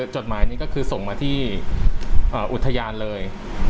จดหมายนี้ก็คือส่งมาที่อุทยานเลย